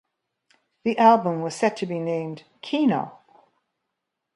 The album was set to be named "Kino".